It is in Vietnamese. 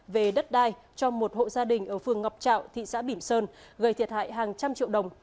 về đất đai cho một hộ gia đình ở phường ngọc trạo thị xã bỉm sơn gây thiệt hại hàng trăm triệu đồng